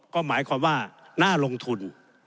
ก็หมายความว่าน่าลงทุน